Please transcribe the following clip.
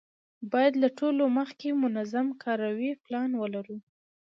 باید له ټولو مخکې منظم کاري پلان ولرو.